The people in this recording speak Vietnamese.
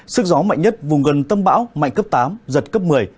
sức gió mạnh nhất vùng gần tâm bão mạnh cấp tám giật cấp một mươi